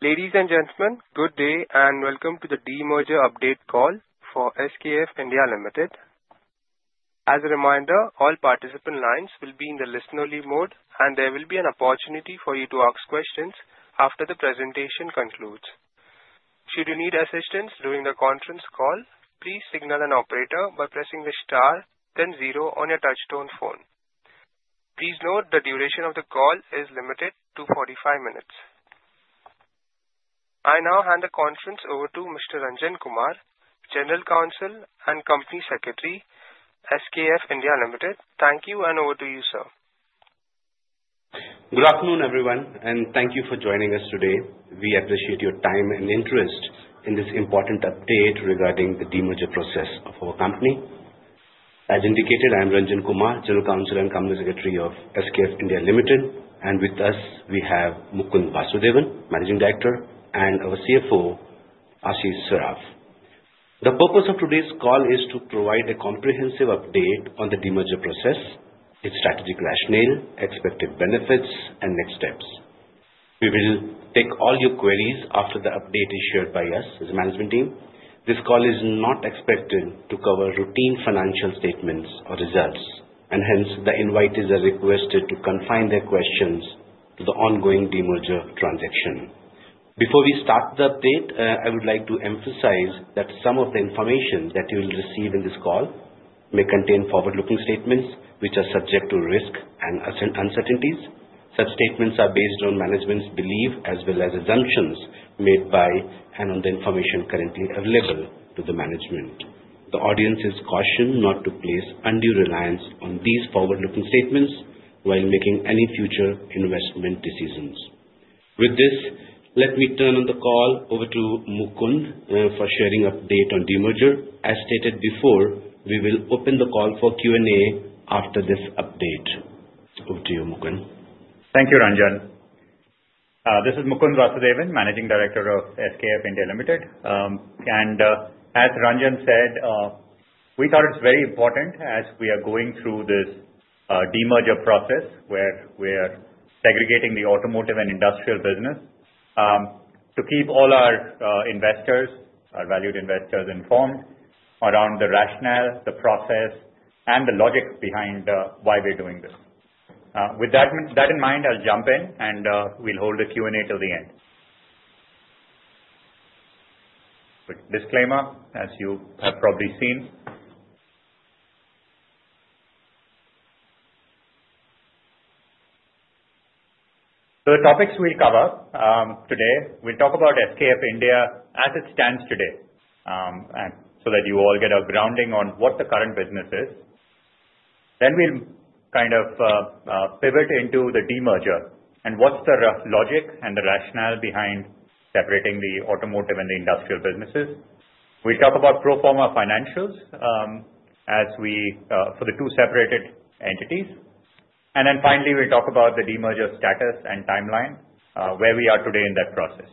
Ladies and gentlemen, good day and welcome to the Demerger Update Call for SKF India Limited. As a reminder, all participant lines will be in the listen-only mode, and there will be an opportunity for you to ask questions after the presentation concludes. Should you need assistance during the conference call, please signal an operator by pressing the star, then zero on your touch-tone phone. Please note the duration of the call is limited to 45 minutes. I now hand the conference over to Mr. Ranjan Kumar, General Counsel and Company Secretary, SKF India Limited. Thank you, and over to you, sir. Good afternoon, everyone, and thank you for joining us today. We appreciate your time and interest in this important update regarding the demerger process of our company. As indicated, I am Ranjan Kumar, General Counsel and Company Secretary of SKF India Limited, and with us, we have Mukund Vasudevan, Managing Director, and our CFO, Ashish Saraf. The purpose of today's call is to provide a comprehensive update on the demerger process, its strategic rationale, expected benefits, and next steps. We will take all your queries after the update is shared by us as a management team. This call is not expected to cover routine financial statements or results, and hence, the invitees are requested to confine their questions to the ongoing demerger transaction. Before we start the update, I would like to emphasize that some of the information that you will receive in this call may contain forward-looking statements which are subject to risk and uncertainties. Such statements are based on management's belief as well as assumptions made by and on the information currently available to the management. The audience is cautioned not to place undue reliance on these forward-looking statements while making any future investment decisions. With this, let me turn the call over to Mukund for sharing the update on demerger. As stated before, we will open the call for Q&A after this update. Over to you, Mukund. Thank you, Ranjan. This is Mukund Vasudevan, Managing Director of SKF India Limited. And as Ranjan said, we thought it's very important as we are going through this demerger process where we are segregating the automotive and industrial business to keep all our investors, our valued investors, informed around the rationale, the process, and the logic behind why we're doing this. With that in mind, I'll jump in, and we'll hold the Q&A till the end. Disclaimer, as you have probably seen. The topics we'll cover today, we'll talk about SKF India as it stands today so that you all get a grounding on what the current business is. Then we'll kind of pivot into the demerger and what's the logic and the rationale behind separating the automotive and the industrial businesses. We'll talk about pro forma financials as we for the two separated entities. And then finally, we'll talk about the demerger status and timeline, where we are today in that process.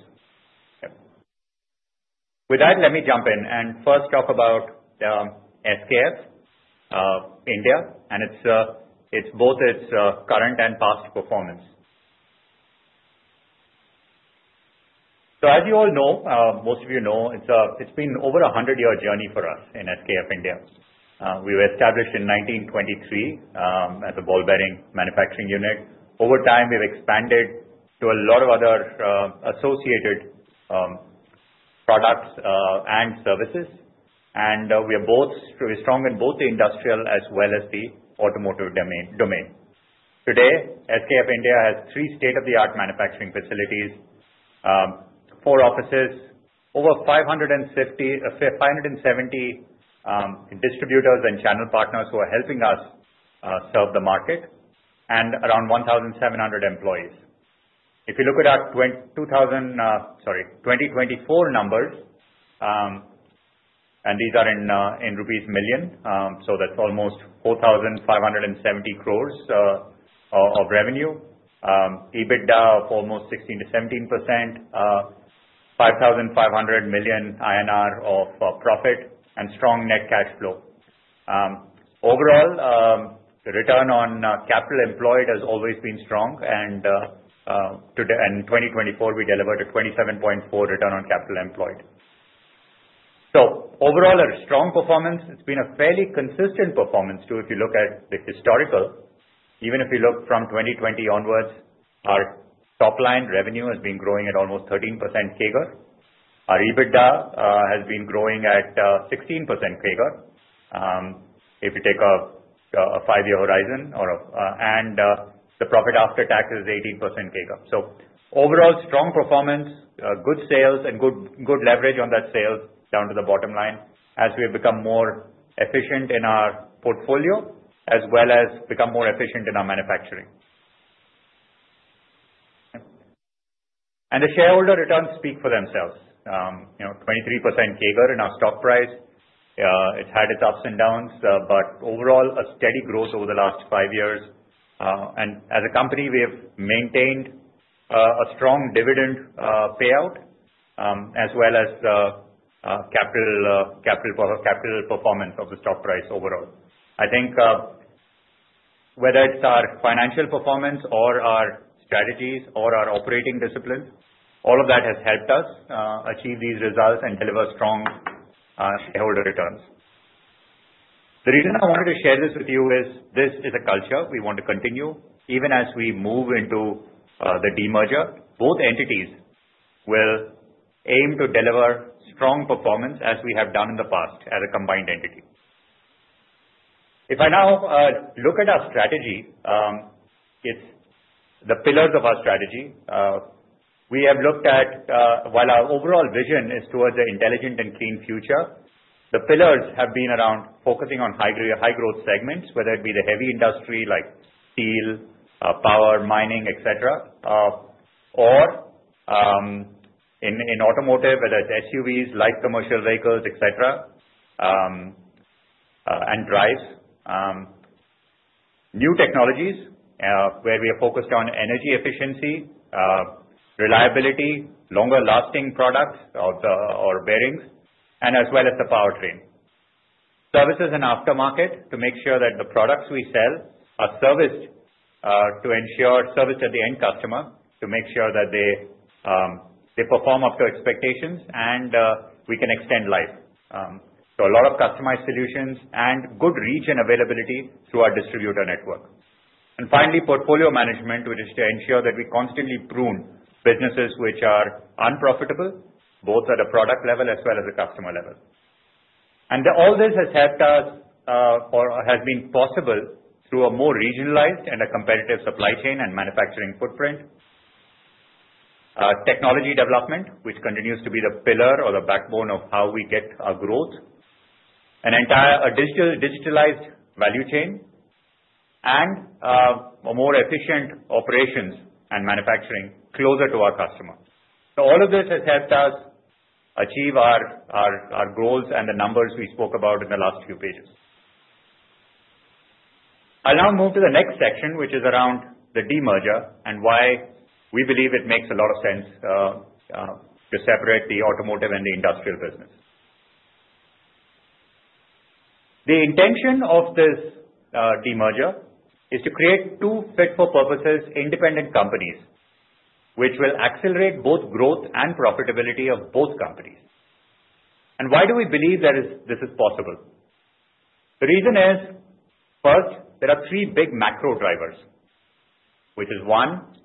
With that, let me jump in and first talk about SKF India and both its current and past performance. So as you all know, most of you know, it's been over a 100-year journey for us in SKF India. We were established in 1923 as a ball-bearing manufacturing unit. Over time, we've expanded to a lot of other associated products and services, and we are strong in both the industrial as well as the automotive domain. Today, SKF India has three state-of-the-art manufacturing facilities, four offices, over 570 distributors and channel partners who are helping us serve the market, and around 1,700 employees. If you look at our 2024 numbers, and these are in rupees millions, so that's almost 4,570 crores of revenue, EBITDA of almost 16%-17%, 5,500 million INR of profit, and strong net cash flow. Overall, the return on capital employed has always been strong, and in 2024, we delivered a 27.4% return on capital employed. So overall, a strong performance. It's been a fairly consistent performance too if you look at the historical. Even if you look from 2020 onwards, our top-line revenue has been growing at almost 13% CAGR. Our EBITDA has been growing at 16% CAGR. If you take a five-year horizon, and the profit after tax is 18% CAGR. So overall, strong performance, good sales, and good leverage on that sales down to the bottom line as we have become more efficient in our portfolio as well as become more efficient in our manufacturing. The shareholder returns speak for themselves. 23% CAGR in our stock price. It's had its ups and downs, but overall, a steady growth over the last five years. As a company, we have maintained a strong dividend payout as well as capital performance of the stock price overall. I think whether it's our financial performance or our strategies or our operating discipline, all of that has helped us achieve these results and deliver strong shareholder returns. The reason I wanted to share this with you is this is a culture we want to continue. Even as we move into the demerger, both entities will aim to deliver strong performance as we have done in the past as a combined entity. If I now look at our strategy, the pillars of our strategy, we have looked at while our overall vision is towards an intelligent and clean future. The pillars have been around focusing on high-growth segments, whether it be the heavy industry like steel, power, mining, etc., or in automotive, whether it's SUVs, light commercial vehicles, etc., and drives. New technologies where we are focused on energy efficiency, reliability, longer-lasting products or bearings, and as well as the powertrain. Services and aftermarket to make sure that the products we sell are serviced to ensure service to the end customer to make sure that they perform up to expectations and we can extend life. So a lot of customized solutions and good region availability through our distributor network. Finally, portfolio management, which is to ensure that we constantly prune businesses which are unprofitable both at a product level as well as a customer level. All this has helped us or has been possible through a more regionalized and a competitive supply chain and manufacturing footprint. Technology development, which continues to be the pillar or the backbone of how we get our growth, a digitalized value chain, and more efficient operations and manufacturing closer to our customer. All of this has helped us achieve our goals and the numbers we spoke about in the last few pages. I'll now move to the next section, which is around the demerger and why we believe it makes a lot of sense to separate the automotive and the industrial business. The intention of this de-merger is to create two fit-for-purposes independent companies which will accelerate both growth and profitability of both companies, and why do we believe that this is possible? The reason is, first, there are three big macro drivers, which is one,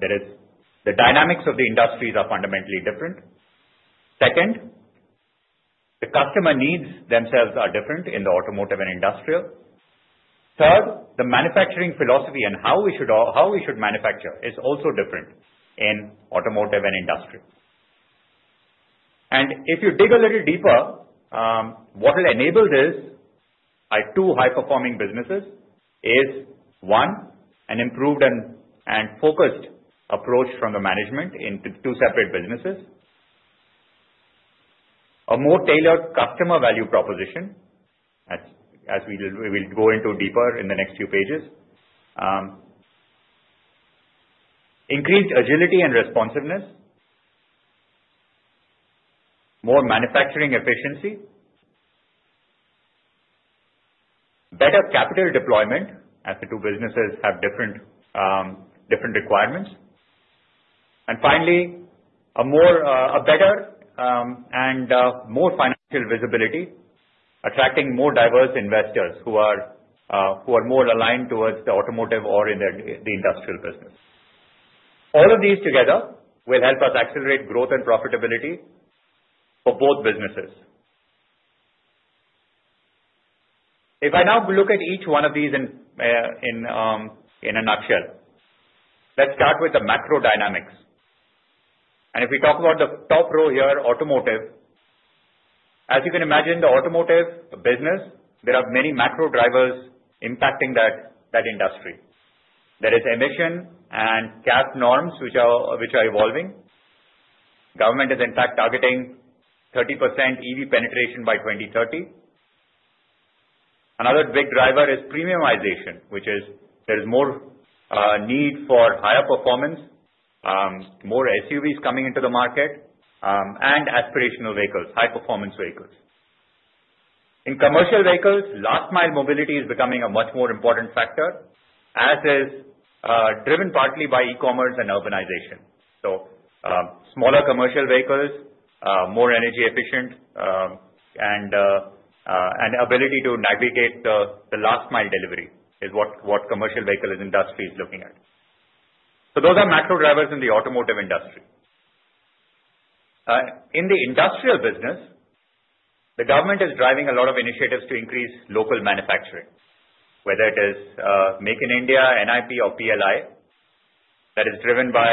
there is the dynamics of the industries are fundamentally different. Second, the customer needs themselves are different in the automotive and industrial. Third, the manufacturing philosophy and how we should manufacture is also different in automotive and industrial. And if you dig a little deeper, what will enable these two high-performing businesses is, one, an improved and focused approach from the management into two separate businesses, a more tailored customer value proposition, as we will go into deeper in the next few pages, increased agility and responsiveness, more manufacturing efficiency, better capital deployment as the two businesses have different requirements, and finally, a better and more financial visibility, attracting more diverse investors who are more aligned towards the automotive or in the industrial business. All of these together will help us accelerate growth and profitability for both businesses. If I now look at each one of these in a nutshell, let's start with the macro dynamics, and if we talk about the top row here, automotive, as you can imagine, the automotive business, there are many macro drivers impacting that industry. There are emissions and gas norms which are evolving. Government is, in fact, targeting 30% EV penetration by 2030. Another big driver is premiumization, which is there is more need for higher performance, more SUVs coming into the market, and aspirational vehicles, high-performance vehicles. In commercial vehicles, last-mile mobility is becoming a much more important factor, as is driven partly by e-commerce and urbanization. So smaller commercial vehicles, more energy efficient, and ability to navigate the last-mile delivery is what commercial vehicle industry is looking at. So those are macro drivers in the automotive industry. In the industrial business, the government is driving a lot of initiatives to increase local manufacturing, whether it is Make in India, NIP, or PLI, that is driven by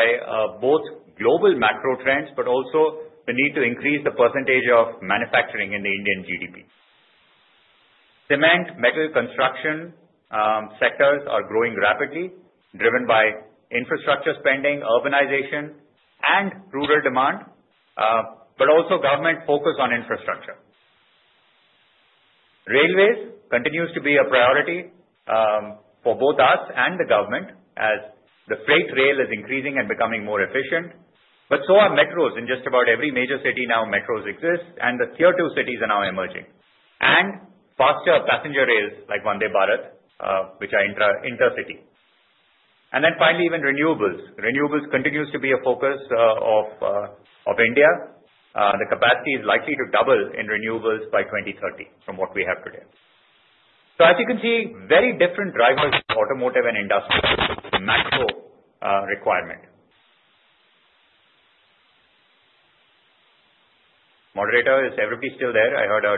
both global macro trends, but also the need to increase the percentage of manufacturing in the Indian GDP. Cement, metal, construction sectors are growing rapidly, driven by infrastructure spending, urbanization, and rural demand, but also government focus on infrastructure. Railways continues to be a priority for both us and the government as the freight rail is increasing and becoming more efficient, but so are metros. In just about every major city now, metros exist, and the tier two cities are now emerging, and faster passenger rails like Vande Bharat, which are intercity. And then finally, even renewables. Renewables continues to be a focus of India. The capacity is likely to double in renewables by 2030 from what we have today. So as you can see, very different drivers for automotive and industrial, macro requirement. Moderator, is everybody still there? I heard a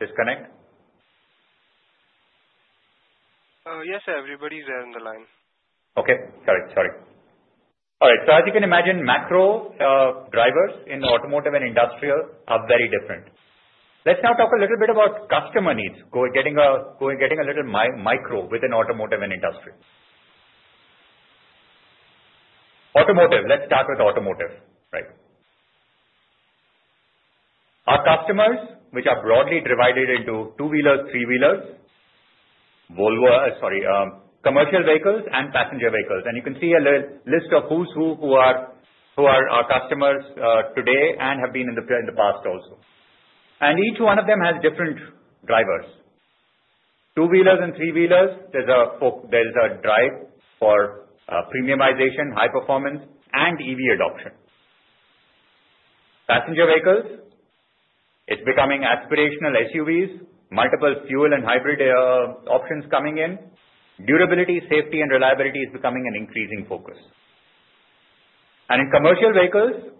disconnect. Yes, everybody's there on the line. Okay. Sorry. All right. So as you can imagine, macro drivers in automotive and industrial are very different. Let's now talk a little bit about customer needs, getting a little micro within automotive and industrial. Automotive, let's start with automotive, right? Our customers, which are broadly divided into two-wheelers, three-wheelers, Volvo, sorry, commercial vehicles and passenger vehicles. And you can see a list of who's who, who are our customers today and have been in the past also. And each one of them has different drivers. Two-wheelers and three-wheelers, there's a drive for premiumization, high performance, and EV adoption. Passenger vehicles, it's becoming aspirational SUVs, multiple fuel and hybrid options coming in. Durability, safety, and reliability is becoming an increasing focus. And in commercial vehicles,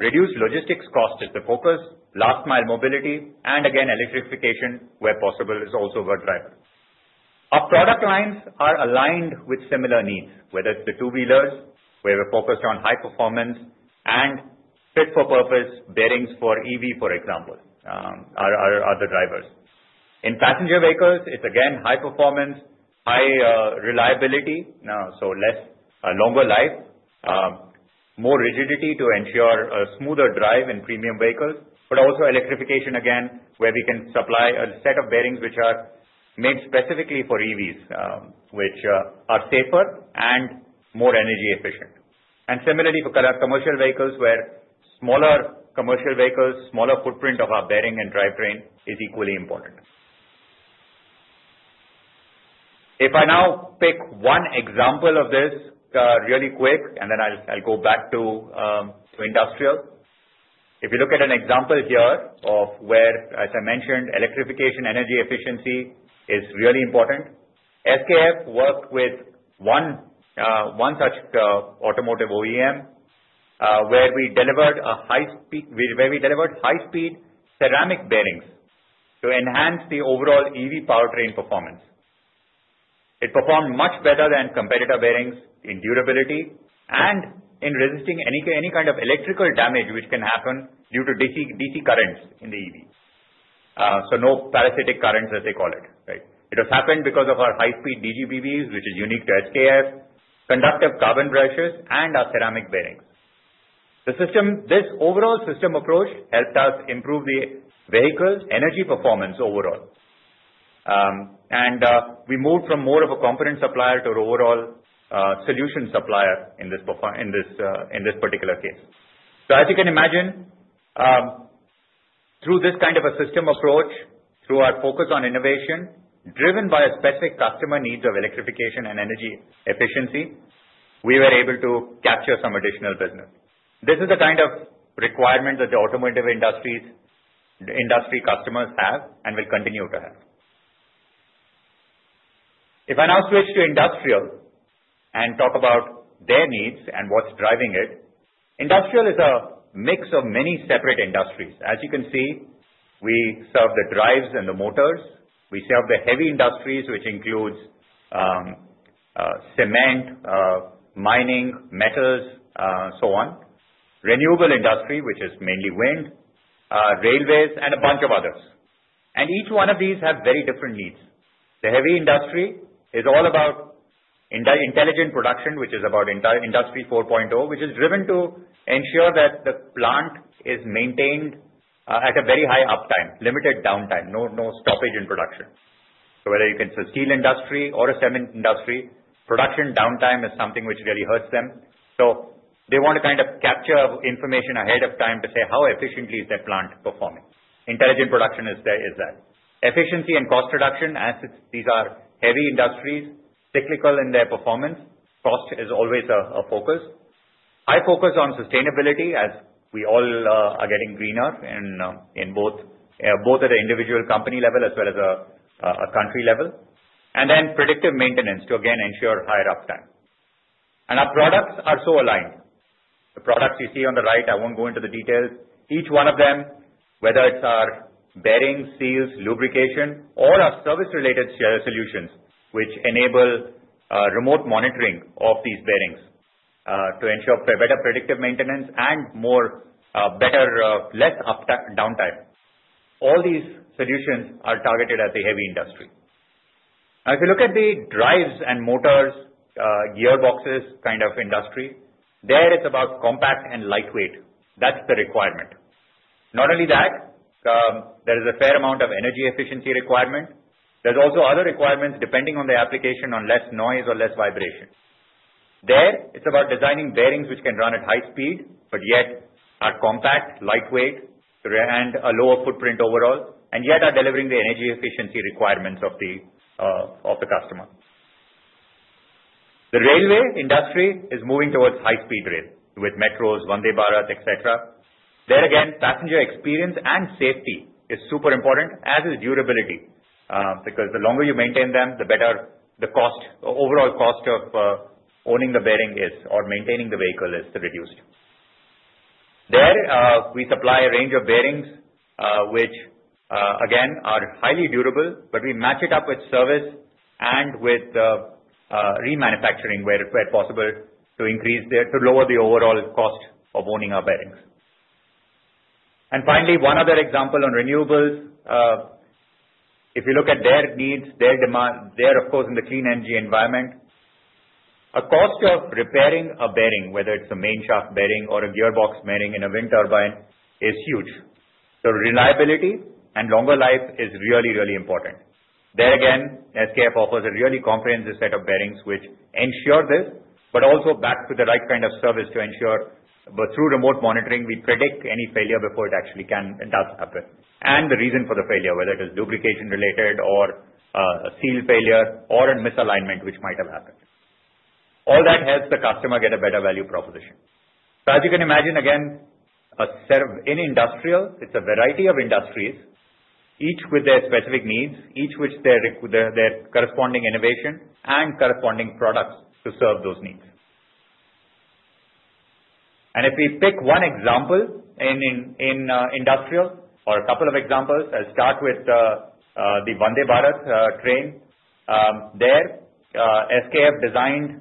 reduced logistics cost is the focus, last-mile mobility, and again, electrification where possible is also a driver. Our product lines are aligned with similar needs, whether it's the two-wheelers, where we're focused on high performance and fit-for-purpose bearings for EV, for example, are the drivers. In passenger vehicles, it's again high performance, high reliability, so less longer life, more rigidity to ensure a smoother drive in premium vehicles, but also electrification again, where we can supply a set of bearings which are made specifically for EVs, which are safer and more energy efficient. And similarly for commercial vehicles, where smaller commercial vehicles, smaller footprint of our bearing and drivetrain is equally important. If I now pick one example of this really quick, and then I'll go back to industrial. If you look at an example here of where, as I mentioned, electrification, energy efficiency is really important, SKF worked with one such automotive OEM where we delivered a high-speed ceramic bearings to enhance the overall EV powertrain performance. It performed much better than competitor bearings in durability and in resisting any kind of electrical damage which can happen due to DC currents in the EV. So no parasitic currents, as they call it, right? It has happened because of our high-speed DGBBs, which is unique to SKF, conductive carbon brushes, and our ceramic bearings. This overall system approach helped us improve the vehicle's energy performance overall, and we moved from more of a component supplier to an overall solution supplier in this particular case. So as you can imagine, through this kind of a system approach, through our focus on innovation driven by a specific customer needs of electrification and energy efficiency, we were able to capture some additional business. This is the kind of requirement that the automotive industry customers have and will continue to have. If I now switch to industrial and talk about their needs and what's driving it, industrial is a mix of many separate industries. As you can see, we serve the drives and the motors. We serve the heavy industries, which includes cement, mining, metals, so on, renewable industry, which is mainly wind, railways, and a bunch of others. And each one of these has very different needs. The heavy industry is all about intelligent production, which is about Industry 4.0, which is driven to ensure that the plant is maintained at a very high uptime, limited downtime, no stoppage in production. So, whether you take the steel industry or a cement industry, production downtime is something which really hurts them. So they want to kind of capture information ahead of time to say, "How efficiently is that plant performing?" Intelligent production is that. Efficiency and cost reduction, as these are heavy industries, cyclical in their performance, cost is always a focus. High focus on sustainability as we all are getting greener, both at an individual company level as well as a country level. Predictive maintenance to, again, ensure higher uptime. Our products are so aligned. The products you see on the right, I won't go into the details. Each one of them, whether it's our bearings, seals, lubrication, or our service-related solutions which enable remote monitoring of these bearings to ensure better predictive maintenance and better, less downtime. All these solutions are targeted at the heavy industry. Now, if you look at the drives and motors, gearboxes kind of industry, there it's about compact and lightweight. That's the requirement. Not only that, there is a fair amount of energy efficiency requirement. There's also other requirements depending on the application on less noise or less vibration. There, it's about designing bearings which can run at high speed, but yet are compact, lightweight, and a lower footprint overall, and yet are delivering the energy efficiency requirements of the customer. The railway industry is moving towards high-speed rail with metros, Vande Bharat, etc. There, again, passenger experience and safety is super important, as is durability, because the longer you maintain them, the better the overall cost of owning the bearing is or maintaining the vehicle is reduced. There, we supply a range of bearings which, again, are highly durable, but we match it up with service and with remanufacturing where possible to lower the overall cost of owning our bearings. And finally, one other example on renewables. If you look at their needs, their demand, they're, of course, in the clean energy environment. A cost of repairing a bearing, whether it's a main shaft bearing or a gearbox bearing in a wind turbine, is huge. So reliability and longer life is really, really important. There, again, SKF offers a really comprehensive set of bearings which ensure this, but also back to the right kind of service to ensure, through remote monitoring, we predict any failure before it actually can and does happen, and the reason for the failure, whether it is lubrication-related or a seal failure or a misalignment which might have happened. All that helps the customer get a better value proposition, so as you can imagine, again, in industrial, it's a variety of industries, each with their specific needs, each with their corresponding innovation and corresponding products to serve those needs, and if we pick one example in industrial or a couple of examples, I'll start with the Vande Bharat train. There, SKF designed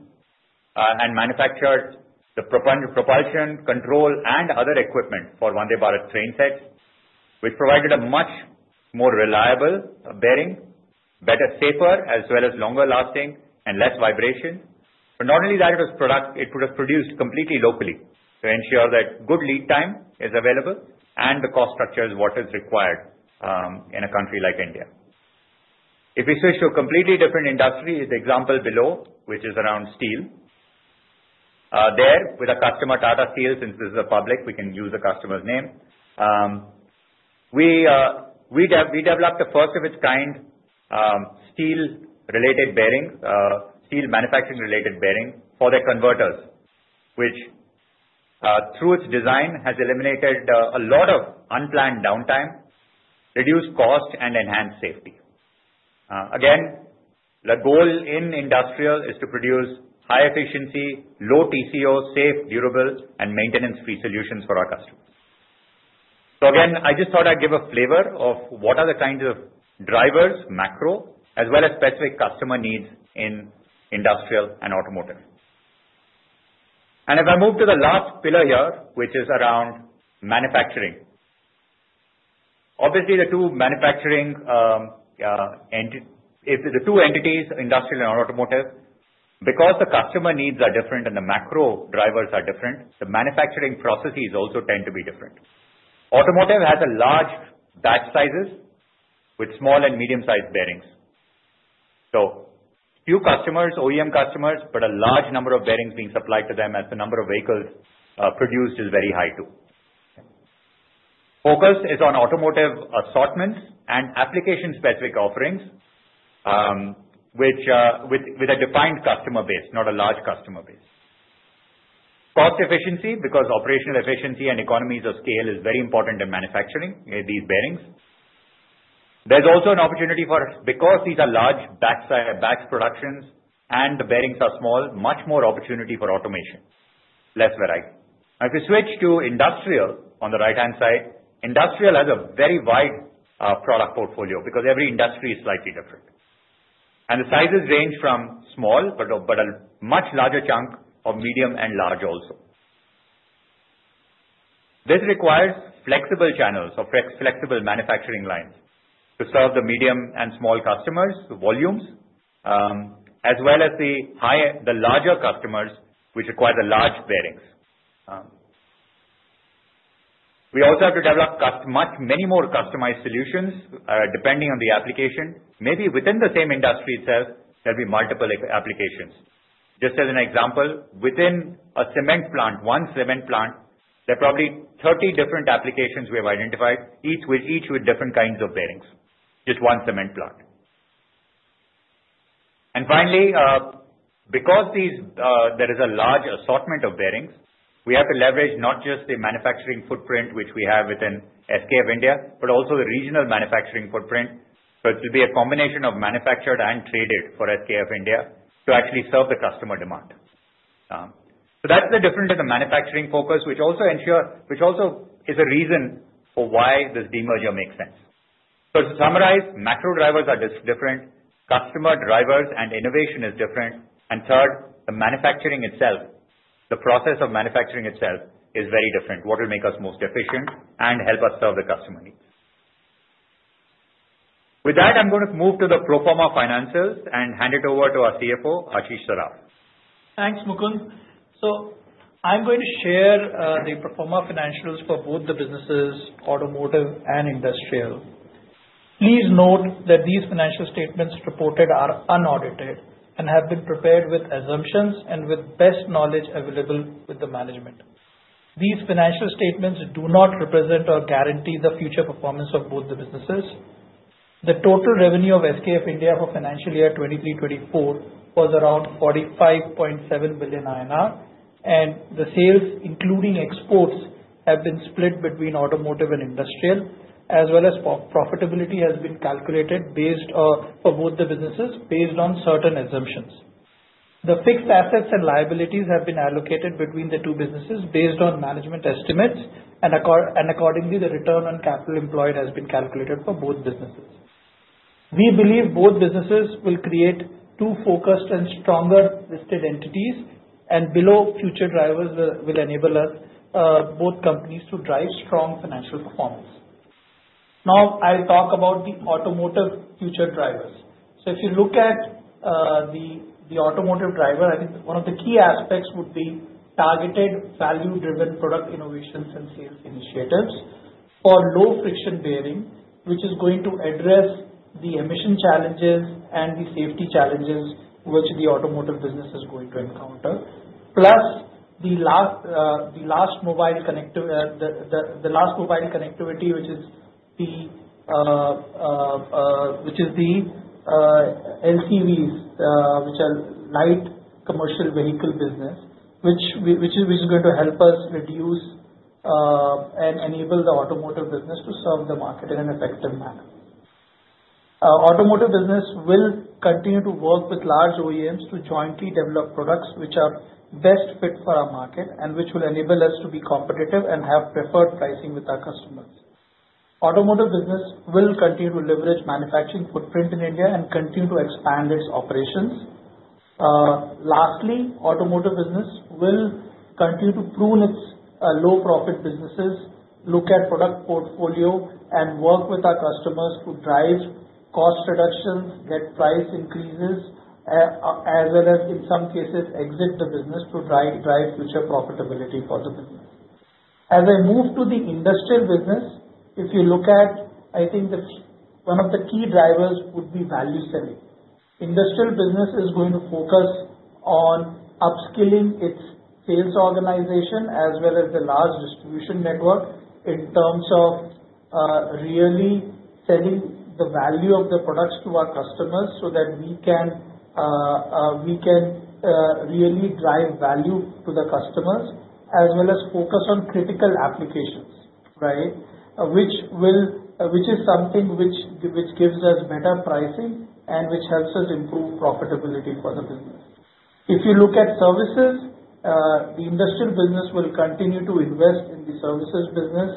and manufactured the propulsion control and other equipment for Vande Bharat train sets, which provided a much more reliable bearing, better, safer, as well as longer lasting and less vibration. But not only that, it was produced completely locally to ensure that good lead time is available and the cost structure is what is required in a country like India. If we switch to a completely different industry, the example below, which is around steel, there, with a customer Tata Steel, since this is a public, we can use the customer's name. We developed the first of its kind steel-related bearings, steel manufacturing-related bearings for their converters, which, through its design, has eliminated a lot of unplanned downtime, reduced cost, and enhanced safety. Again, the goal in industrial is to produce high efficiency, low TCO, safe, durable, and maintenance-free solutions for our customers. So again, I just thought I'd give a flavor of what are the kinds of drivers, macro, as well as specific customer needs in industrial and automotive, and if I move to the last pillar here, which is around manufacturing. Obviously, the two manufacturing entities, if the two entities, industrial and automotive, because the customer needs are different and the macro drivers are different, the manufacturing processes also tend to be different. Automotive has a large batch sizes with small and medium-sized bearings. So few customers, OEM customers, but a large number of bearings being supplied to them as the number of vehicles produced is very high too. Focus is on automotive assortments and application-specific offerings with a defined customer base, not a large customer base. Cost efficiency, because operational efficiency and economies of scale is very important in manufacturing these bearings. There's also an opportunity for, because these are large batch productions and the bearings are small, much more opportunity for automation, less variety. Now, if we switch to industrial on the right-hand side, industrial has a very wide product portfolio because every industry is slightly different and the sizes range from small, but a much larger chunk of medium and large also. This requires flexible channels or flexible manufacturing lines to serve the medium and small customers, the volumes, as well as the larger customers, which requires large bearings. We also have to develop many more customized solutions depending on the application. Maybe within the same industry itself, there'll be multiple applications. Just as an example, within a cement plant, one cement plant, there are probably 30 different applications we have identified, each with different kinds of bearings, just one cement plant. Finally, because there is a large assortment of bearings, we have to leverage not just the manufacturing footprint which we have within SKF India, but also the regional manufacturing footprint. It will be a combination of manufactured and traded for SKF India to actually serve the customer demand. That's the difference in the manufacturing focus, which also ensures, which also is a reason for why this demerger makes sense. To summarize, macro drivers are different, customer drivers and innovation is different, and third, the manufacturing itself, the process of manufacturing itself is very different, what will make us most efficient and help us serve the customer needs. With that, I'm going to move to the pro forma financials and hand it over to our CFO, Ashish Saraf. Thanks, Mukund, so I'm going to share the pro forma financials for both the businesses, automotive and industrial. Please note that these financial statements reported are unaudited and have been prepared with assumptions and with best knowledge available with the management. These financial statements do not represent or guarantee the future performance of both the businesses. The total revenue of SKF India for financial year 2023-2024 was around 45.7 billion INR, and the sales, including exports, have been split between automotive and industrial, as well as profitability has been calculated for both the businesses based on certain assumptions. The fixed assets and liabilities have been allocated between the two businesses based on management estimates, and accordingly, the return on capital employed has been calculated for both businesses. We believe both businesses will create two focused and stronger listed entities, and below future drivers will enable both companies to drive strong financial performance. Now, I'll talk about the automotive future drivers. So if you look at the automotive driver, I think one of the key aspects would be targeted value-driven product innovations and sales initiatives for low friction bearing, which is going to address the emission challenges and the safety challenges which the automotive business is going to encounter, plus the last-mile connectivity, which is the LCVs, which are light commercial vehicles business, which is going to help us reduce and enable the automotive business to serve the market in an effective manner. Automotive business will continue to work with large OEMs to jointly develop products which are best fit for our market and which will enable us to be competitive and have preferred pricing with our customers. Automotive business will continue to leverage manufacturing footprint in India and continue to expand its operations. Lastly, automotive business will continue to prune its low-profit businesses, look at product portfolio, and work with our customers to drive cost reductions, get price increases, as well as, in some cases, exit the business to drive future profitability for the business. As I move to the industrial business, if you look at, I think one of the key drivers would be value selling. Industrial business is going to focus on upskilling its sales organization as well as the large distribution network in terms of really selling the value of the products to our customers so that we can really drive value to the customers as well as focus on critical applications, right, which is something which gives us better pricing and which helps us improve profitability for the business. If you look at services, the industrial business will continue to invest in the services business.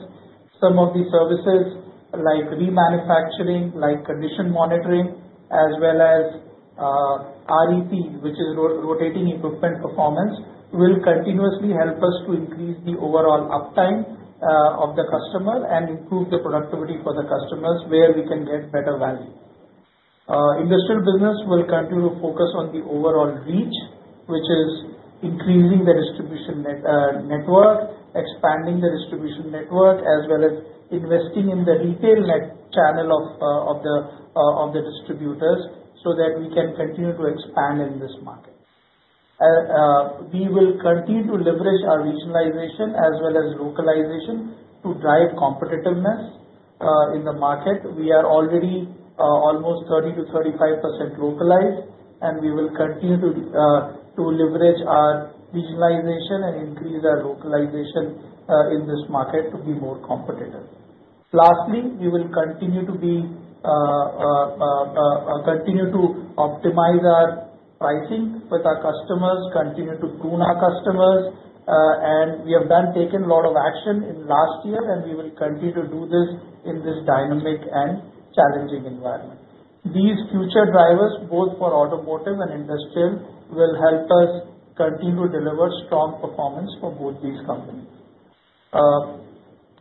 Some of the services, like remanufacturing, like condition monitoring, as well as REP, which is rotating equipment performance, will continuously help us to increase the overall uptime of the customer and improve the productivity for the customers where we can get better value. industrial business will continue to focus on the overall reach, which is increasing the distribution network, expanding the distribution network, as well as investing in the retail channel of the distributors so that we can continue to expand in this market. We will continue to leverage our regionalization as well as localization to drive competitiveness in the market. We are already almost 30%-35% localized, and we will continue to leverage our regionalization and increase our localization in this market to be more competitive. Lastly, we will continue to optimize our pricing with our customers, continue to prune our customers, and we have taken a lot of action in last year, and we will continue to do this in this dynamic and challenging environment. These future drivers, both for automotive and industrial, will help us continue to deliver strong performance for both these companies.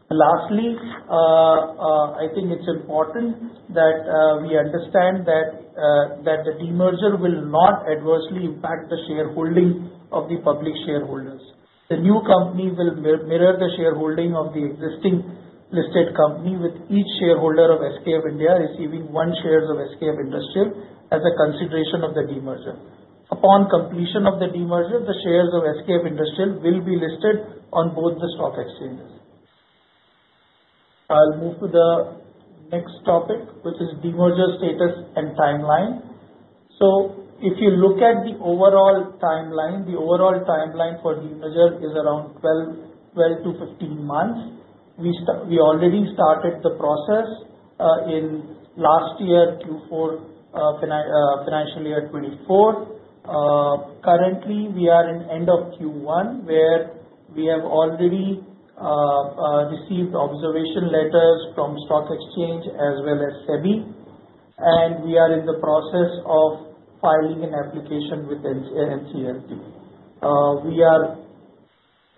Lastly, I think it's important that we understand that the demerger will not adversely impact the shareholding of the public shareholders. The new company will mirror the shareholding of the existing listed company with each shareholder of SKF India receiving one share of SKF Industrial as a consideration of the demerger. Upon completion of the demerger, the shares of SKF Industrial will be listed on both the stock exchanges. I'll move to the next topic, which is demerger status and timeline. If you look at the overall timeline, the overall timeline for demerger is around 12-15 months. We already started the process in last year, Q4, financial year 2024. Currently, we are in end of Q1 where we have already received observation letters from stock exchange as well as SEBI, and we are in the process of filing an application with NCLT. We are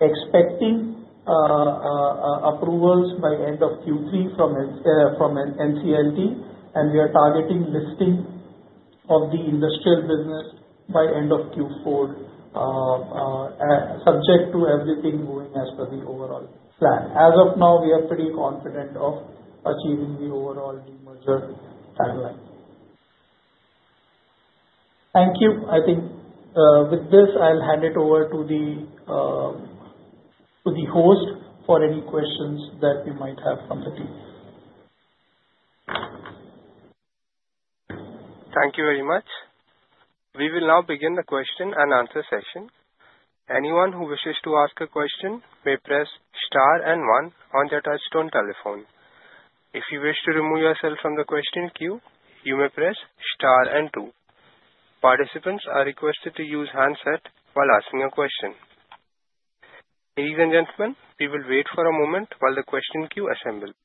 expecting approvals by end of Q3 from NCLT, and we are targeting listing of the industrial business by end of Q4, subject to everything going as per the overall plan. As of now, we are pretty confident of achieving the overall demerger timeline. Thank you. I think with this, I'll hand it over to the host for any questions that we might have from the team. Thank you very much. We will now begin the question and answer session. Anyone who wishes to ask a question may press star and one on their touch-tone telephone. If you wish to remove yourself from the question queue, you may press star and two. Participants are requested to use handset while asking a question. Ladies and gentlemen, we will wait for a moment while the question queue assembles.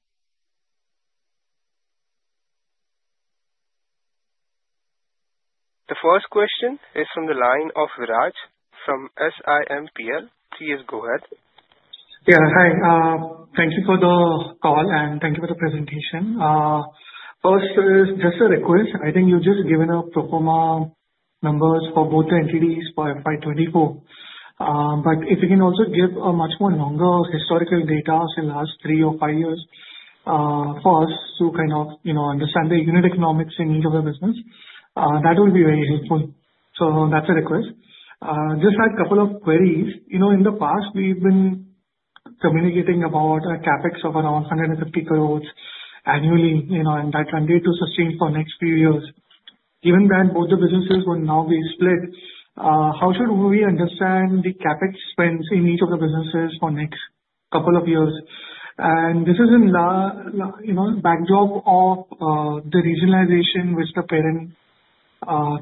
The first question is from the line of Viraj from SiMPL. Please go ahead. Yeah, hi. Thank you for the call, and thank you for the presentation. First, just a request. I think you've just given pro forma numbers for both the entities for FY24. But if you can also give much more longer historical data for the last three or five years for us to kind of understand the unit economics in each of the business, that would be very helpful. So that's a request. Just had a couple of queries. In the past, we've been communicating about a CapEx of around 150 crores annually, and that's needed to sustain for the next few years. Given that both the businesses will now be split, how should we understand the CapEx spends in each of the businesses for the next couple of years? And this is in the backdrop of the regionalization which the parent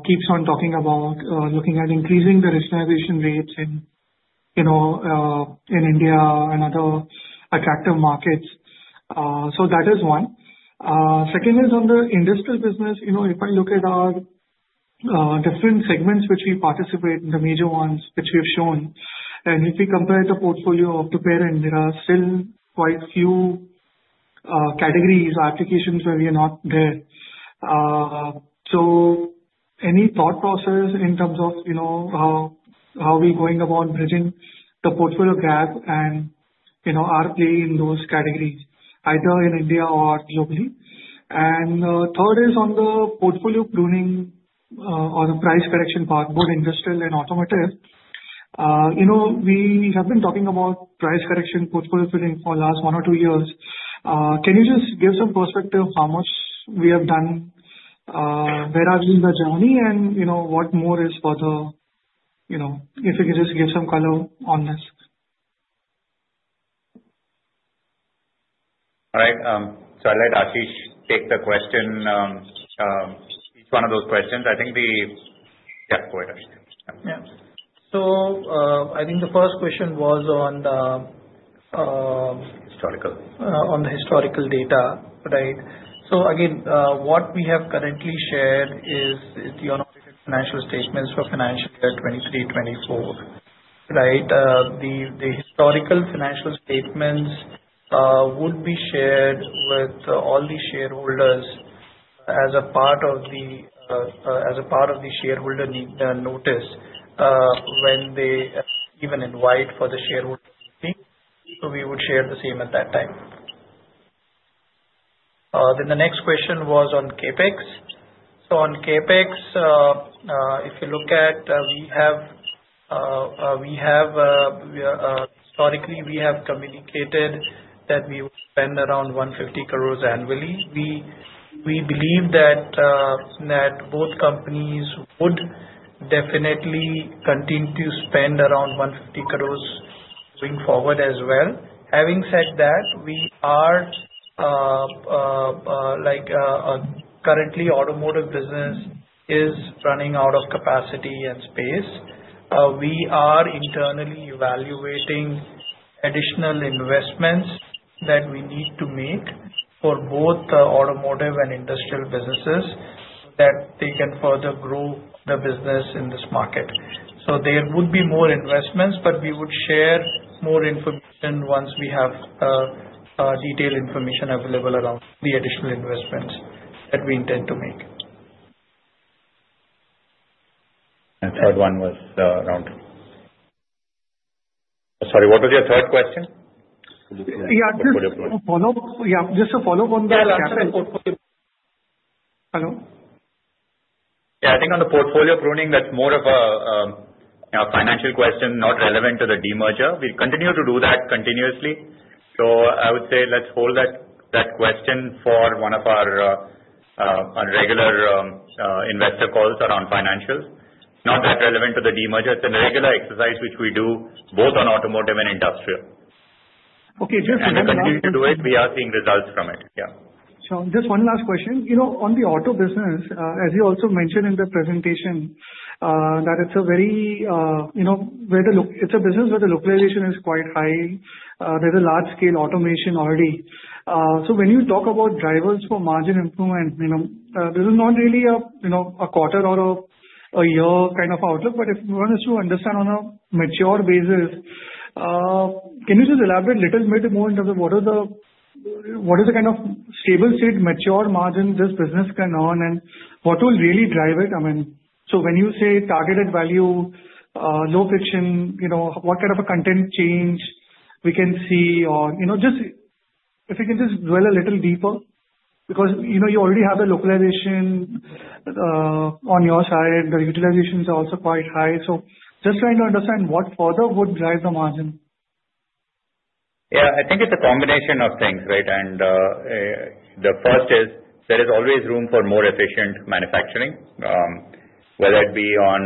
keeps on talking about, looking at increasing the regionalization rates in India and other attractive markets. So that is one. Second is on the industrial business. If I look at our different segments which we participate in, the major ones which we have shown, and if we compare the portfolio of the parent, there are still quite a few categories or applications where we are not there. So any thought process in terms of how we are going about bridging the portfolio gap and our play in those categories, either in India or globally. And third is on the portfolio pruning or the price correction part, both industrial and automotive. We have been talking about price correction, portfolio pruning for the last one or two years. Can you just give some perspective of how much we have done, where are we in the journey, and what more is further? If you can just give some color on this? All right. So I'll let Ashish take the question, each one of those questions. Yeah, go ahead. Yeah. So I think the first question was on the historical data, right? So again, what we have currently shared is the unaudited financial statements for financial year 2023-2024, right? The historical financial statements would be shared with all the shareholders as a part of the shareholder notice when they even invite for the shareholder meeting. So we would share the same at that time. Then the next question was on CapEx. So on CapEx, if you look at, we have historically, we have communicated that we would spend around 150 crores annually. We believe that both companies would definitely continue to spend around 150 crores going forward as well. Having said that, we are currently automotive business is running out of capacity and space. We are internally evaluating additional investments that we need to make for both the automotive and industrial businesses so that they can further grow the business in this market. So there would be more investments, but we would share more information once we have detailed information available around the additional investments that we intend to make. My third one was around, sorry, what was your third question? Yeah, just a follow-up. Yeah, just a follow-up on the CapEx portfolio. Hello? Yeah, I think on the portfolio pruning, that's more of a financial question, not relevant to the demerger. We continue to do that continuously. So I would say let's hold that question for one of our regular investor calls around financials. It's not that relevant to the demerger. It's a regular exercise which we do both on automotive and industrial. Okay. Just one last. We continue to do it. We are seeing results from it, yeah. Sure. Just one last question. On the auto business, as you also mentioned in the presentation, that it's a business where the localization is quite high. There's large-scale automation already. So when you talk about drivers for margin improvement, this is not really a quarter or a year kind of outlook, but if we wanted to understand on a mature basis, can you just elaborate a little bit more into what is the kind of stable state mature margin this business can earn and what will really drive it? I mean, so when you say targeted value, low friction, what kind of a content change we can see or just if you can just drill a little deeper because you already have the localization on your side. The utilizations are also quite high, so just trying to understand what further would drive the margin. Yeah. I think it's a combination of things, right? And the first is there is always room for more efficient manufacturing, whether it be on,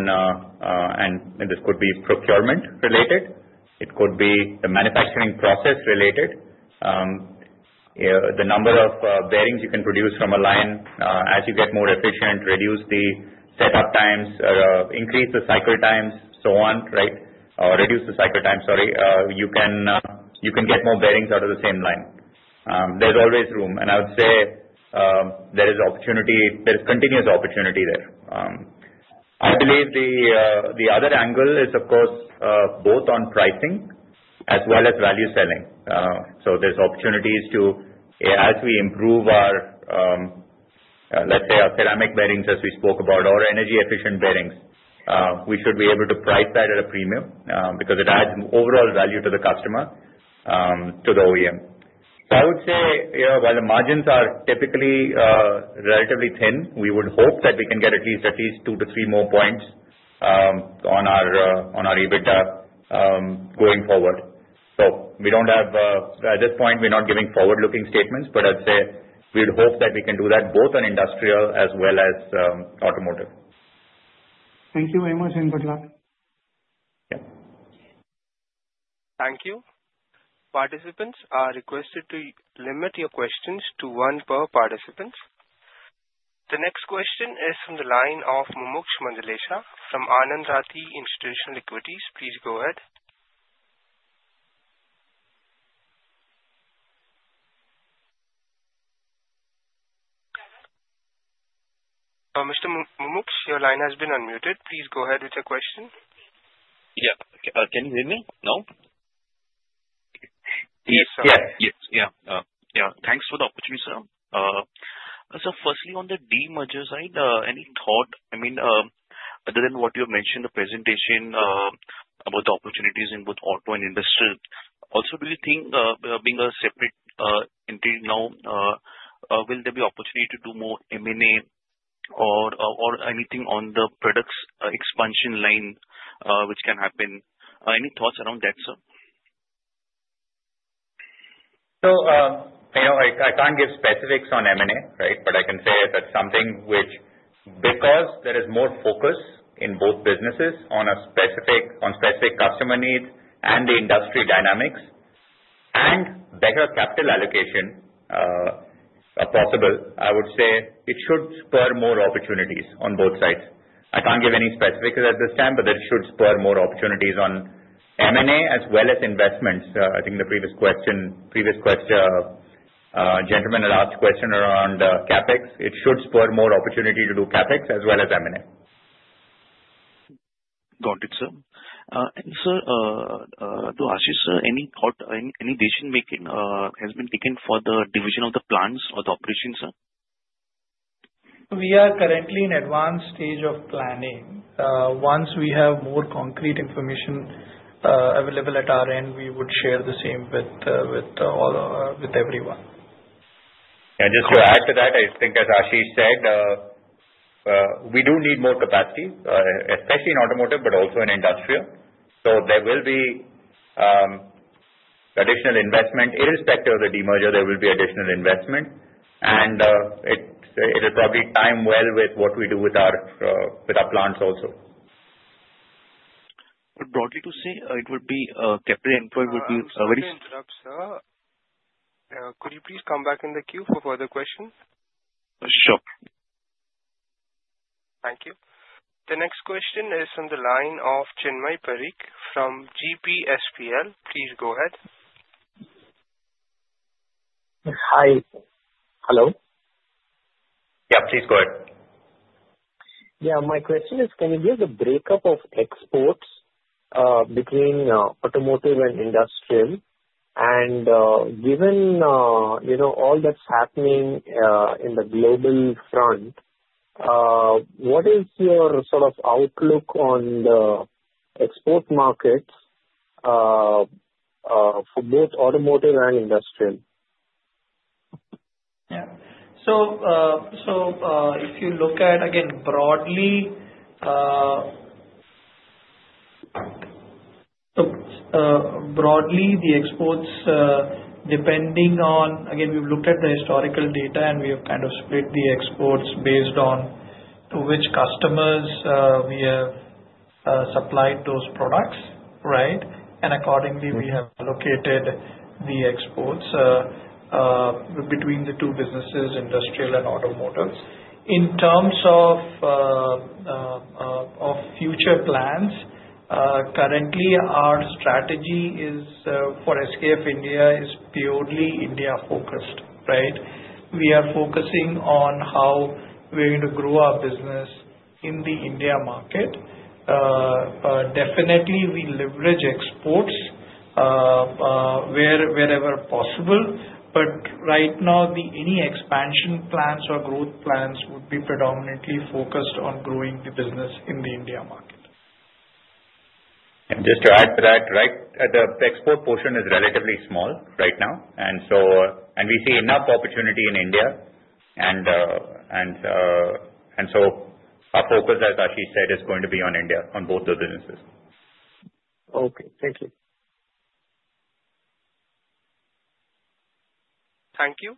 and this could be procurement related. It could be the manufacturing process related. The number of bearings you can produce from a line, as you get more efficient, reduce the setup times, increase the cycle times, so on, right? Or reduce the cycle times, sorry. You can get more bearings out of the same line. There's always room. And I would say there is opportunity. There's continuous opportunity there. I believe the other angle is, of course, both on pricing as well as value selling. So, there's opportunities to, as we improve our, let's say, our ceramic bearings as we spoke about or energy-efficient bearings, we should be able to price that at a premium because it adds overall value to the customer, to the OEM. So I would say while the margins are typically relatively thin, we would hope that we can get at least two to three more points on our EBITDA going forward. So we don't have, at this point, we're not giving forward-looking statements, but I'd say we'd hope that we can do that both on industrial as well as automotive. Thank you very much and goodluck. Yeah. Thank you. Participants are requested to limit your questions to one per participant. The next question is from the line of Mumuksh Mandlesha from Anand Rathi Institutional Equities. Please go ahead. Mr. Mumuksh, your line has been unmuted. Please go ahead with your question. Yeah. Can you hear me now? Yes. Yes. Thanks for the opportunity, sir. So firstly, on the demerger side, any thought, I mean, other than what you have mentioned in the presentation about the opportunities in both auto and industrial? Also, do you think being a separate entity now, will there be opportunity to do more M&A or anything on the products expansion line which can happen? Any thoughts around that, sir? So I can't give specifics on M&A, right? But I can say that something which, because there is more focus in both businesses on specific customer needs and the industry dynamics and better capital allocation possible, I would say it should spur more opportunities on both sides. I can't give any specifics at this time, but it should spur more opportunities on M&A as well as investments. I think the previous question, gentlemen had asked a question around CapEx. It should spur more opportunity to do CapEx as well as M&A. Got it, sir. And sir, to Ashish, any decision-making has been taken for the division of the plants or the operation, sir? We are currently in advanced stage of planning. Once we have more concrete information available at our end, we would share the same with everyone. Yeah. Just to add to that, I think, as Ashish said, we do need more capacity, especially in automotive, but also in industrial. So there will be additional investment. Irrespective of the demerger, there will be additional investment. And it will probably time well with what we do with our plants also. But broadly to say, it would be CapEx would be very. Sorry to interrupt, sir, could you please come back in the queue for further questions? Sure. Thank you. The next question is from the line of Chinmay Parikh from GPSPL. Please go ahead. Hi. Hello. Yeah. Please go ahead. Yeah. My question is, can you give the breakup of exports between automotive and industrial? And given all that's happening in the global front, what is your sort of outlook on the export markets for both automotive and industrial? Yeah. So if you look at, again, broadly, the exports, depending on, again, we've looked at the historical data, and we have kind of split the exports based on to which customers we have supplied those products, right? And accordingly, we have allocated the exports between the two businesses, industrial and automotive. In terms of future plans, currently, our strategy for SKF India is purely India-focused, right? We are focusing on how we're going to grow our business in the India market. Definitely, we leverage exports wherever possible. But right now, any expansion plans or growth plans would be predominantly focused on growing the business in the India market. And just to add to that, right? The export portion is relatively small right now. And we see enough opportunity in India. And so our focus, as Ashish said, is going to be on India, on both the businesses. Okay. Thank you. Thank you.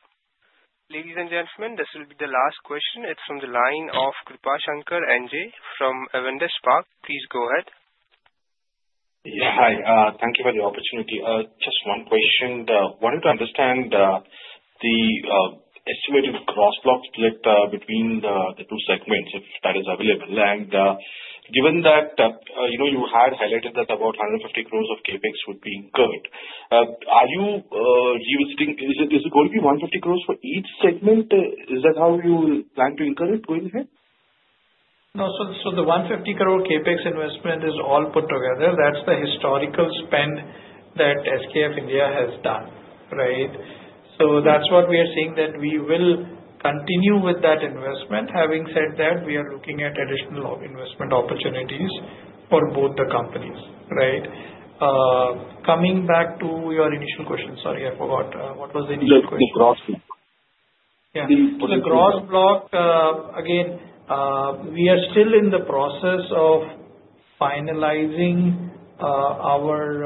Ladies and gentlemen, this will be the last question. It's from the line of Krupashankar NJ, from Avendus Spark. Please go ahead. Yeah. Hi. Thank you for the opportunity. Just one question. I wanted to understand the estimated crosswalk split between the two segments, if that is available. And given that you had highlighted that about 150 crores of CapEx would be incurred, are you using? Is it going to be 150 crores for each segment? Is that how you plan to incur it going ahead? No. So the 150 crore CapEx investment is all put together. That's the historical spend that SKF India has done, right? So that's what we are seeing, that we will continue with that investment. Having said that, we are looking at additional investment opportunities for both the companies, right? Coming back to your initial question, sorry, I forgot. What was the initial question? The crosswalk. Yeah. So the crosswalk, again, we are still in the process of finalizing our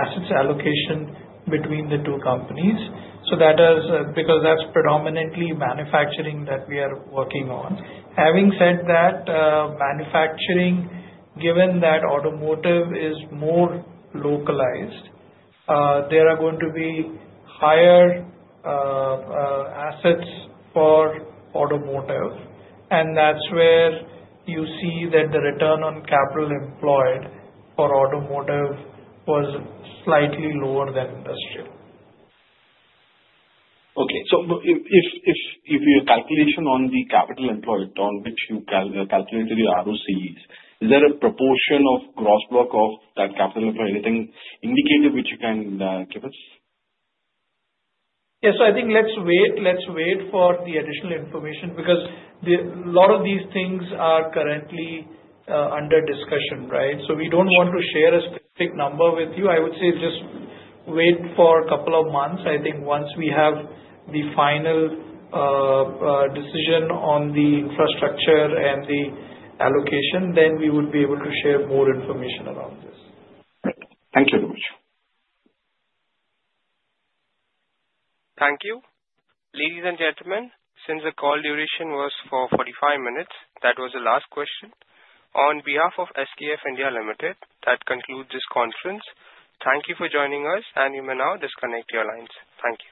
assets allocation between the two companies. So that is because that's predominantly manufacturing that we are working on. Having said that, manufacturing, given that automotive is more localized, there are going to be higher assets for automotive. And that's where you see that the return on capital employed for automotive was slightly lower than industrial. Okay. So if your calculation on the capital employed, on which you calculated the ROCEs, is there a proportion of crosswalk of that capital employed? Anything indicative which you can give us? Yeah. So I think let's wait. Let's wait for the additional information because a lot of these things are currently under discussion, right? So we don't want to share a specific number with you. I would say just wait for a couple of months. I think once we have the final decision on the infrastructure and the allocation, then we would be able to share more information around this. Thank you very much. Thank you. Ladies and gentlemen, since the call duration was for 45 minutes, that was the last question. On behalf of SKF India Limited, that concludes this conference. Thank you for joining us, and you may now disconnect your lines. Thank you.